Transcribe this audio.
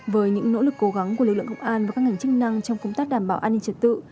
với những nỗ lực cố gắng của lực lượng công an và các ngành chức năng trong công tác đảm bảo an ninh trật tự